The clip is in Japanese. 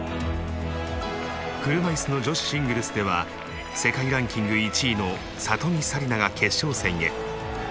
車いすの女子シングルスでは世界ランキング１位の里見紗李奈が決勝戦へ。